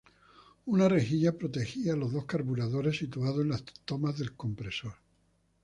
Una rejilla protegía los dos carburadores, situados en las tomas del compresor.